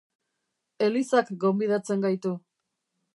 Elizak gonbidatzen gaitu.